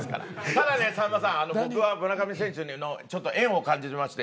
ただねさんまさん僕は村上選手にちょっと縁を感じてまして。